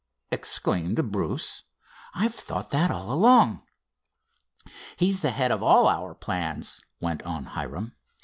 exclaimed Bruce. "I've thought that all along." "He's the head of all our plans," went on Hiram.